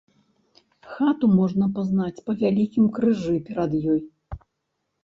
Хату можна пазнаць па вялікім крыжы перад ёй.